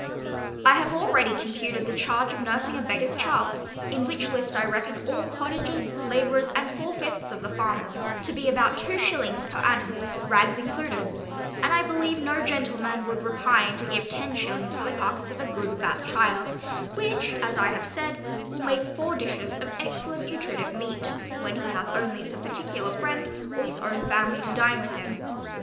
I have already computed the charge of nursing a beggarŌĆÖs child (in which list I reckon all cottagers, labourers, and four fifths of the farmers) to be about two shillings per annum, rags included; and I believe no gentleman would repine to give ten shillings for the carcass of a good fat child, which, as I have said, will make four dishes of excellent nutritive meat, when he hath only some particular friend, or his own family to dine with him.